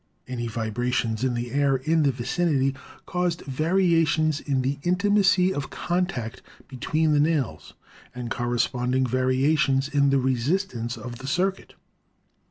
Any vibrations in the air in the vicinity caused variations in the intimacy of contact between the nails, and corresponding variations in the resistance of the circuit.